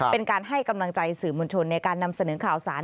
เป็นการให้กำลังใจสื่อมวลชนในการนำเสนอข่าวสาร